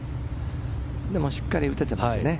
でもしっかり打ててますね。